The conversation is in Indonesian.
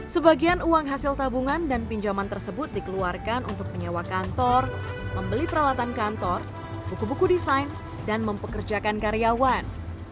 sebagian uang hasil tabungan dan pinjaman tersebut dikeluarkan untuk menyewa kantor membeli peralatan kantor buku buku desain dan mempekerjakan karyawan